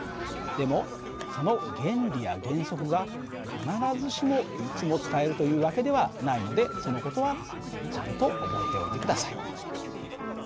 でもその原理や原則が必ずしもいつも使えるという訳ではないのでその事はちゃんと覚えておいて下さい。